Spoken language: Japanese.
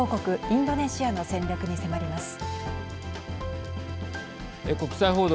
インドネシアの戦略に迫ります。